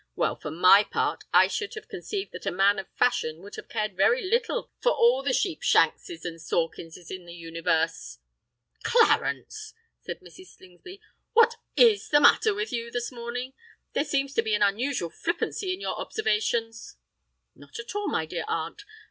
"Well, for my part, I should have conceived that a man of fashion would have cared very little for all the Sheepshanks' and Sawkins' in the universe." "Clarence!" said Mrs. Slingsby, "what is the matter with you this morning? There seems to be an unusual flippancy in your observations——" "Not at all, my dear aunt.